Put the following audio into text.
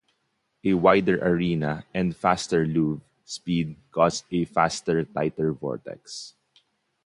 A wider arena and faster louver speed cause a faster, tighter vortex.